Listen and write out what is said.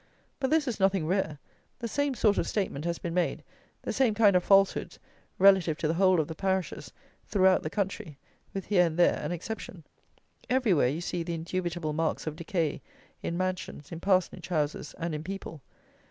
But this is nothing rare; the same sort of statement has been made, the same kind of falsehoods, relative to the whole of the parishes throughout the country, with here and there an exception. Everywhere you see the indubitable marks of decay in mansions, in parsonage houses and in people.